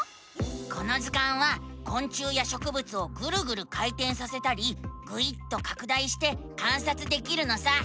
この図鑑はこん虫やしょくぶつをぐるぐる回てんさせたりぐいっとかく大して観察できるのさ！